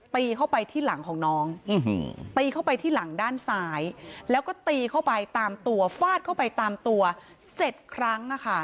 ตีเข้าไปที่หลังของน้องตีเข้าไปที่หลังด้านซ้ายแล้วก็ตีเข้าไปตามตัวฟาดเข้าไปตามตัว๗ครั้ง